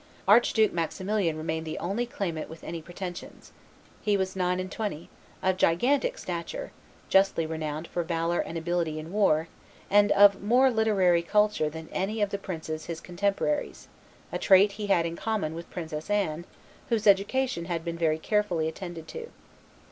Archduke Maximilian remained the only claimant with any pretensions. He was nine and twenty, of gigantic stature, justly renowned for valor and ability in war, and of more literary culture than any of the princes his contemporaries, a trait he had in common with Princess Anne, whose education had been very carefully attended to.